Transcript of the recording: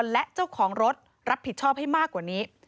และเจ้าของรถรับผิดชอบให้มากกว่านี้